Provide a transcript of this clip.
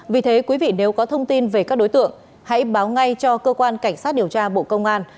vì thế quý vị nếu có thông tin về các đối tượng hãy báo ngay cho cơ quan cảnh sát điều tra bộ công an